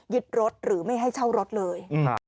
รถหรือไม่ให้เช่ารถเลย